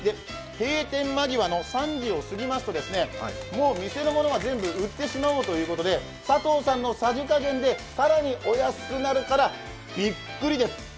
閉店間際の３時を過ぎますともう店のものは全部売ってしまおうということで、佐藤さんのさじ加減でさらにお安くなるからびっくりです。